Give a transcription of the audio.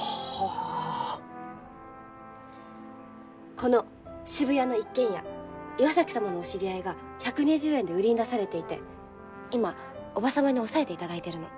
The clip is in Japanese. この渋谷の一軒家岩崎様のお知り合いが１２０円で売りに出されていて今叔母様に押さえていただいてるの。